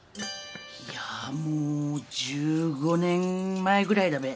いやぁもう１５年前ぐらいだべ。